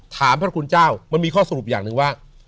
ถามพระคุณเจ้ามันมีข้อสรุปอย่างหนึ่งว่า